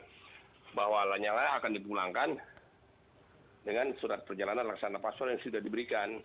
dan bahwa lanyala akan dipulangkan dengan surat perjalanan laksana pasok yang sudah diberikan